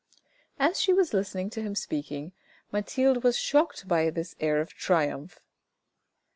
As she listened to him speaking, Mathilde was shocked by this air of triumph.